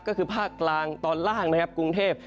ก็คือภาคกลางตอนล่างนะครับกรุงเทพ